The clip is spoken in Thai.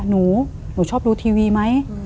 หนูหนูชอบดูทีวีไหม